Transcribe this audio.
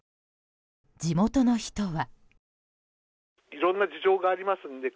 地元の人は。